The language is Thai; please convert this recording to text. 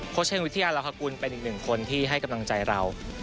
โครเทงวิทยาลาคาหลูกเป็นดึงคนที่ให้กำลังใจเรา